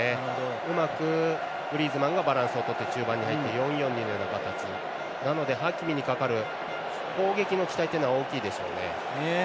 うまくグリーズマンがバランスをとって中盤に入って４−４−２のような形なのでハキミにかかる攻撃の期待は大きいでしょうね。